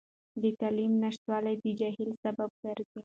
د تعلیم نشتوالی د جهل سبب ګرځي.